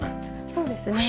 そうですね。